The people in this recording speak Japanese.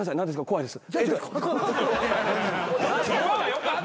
怖いです。